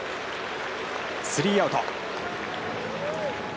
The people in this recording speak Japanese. スリーアウト。